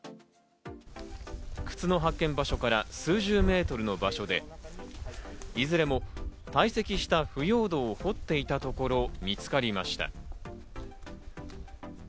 靴の発見場所から数十メートルの場所でいずれも堆積した腐葉土を掘っていたところ見つかりました。